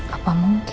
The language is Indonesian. apa mungkin ya